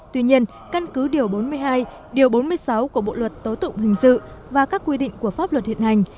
tuy nhiên căn cứ điều bốn mươi hai điều bốn mươi sáu của bộ luật tố tụng hình sự và các quy định của pháp luật hiện hành